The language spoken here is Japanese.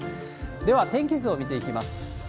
では、天気図を見ていきます。